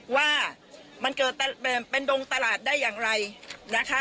ว่ามันเกิดเป็นดงตลาดได้อย่างไรนะคะ